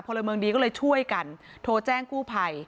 พลเมืองดีก็เลยช่วยกันโทรแจ้งกู้ภัย